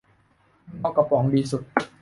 เงาะกระป๋องดีสุด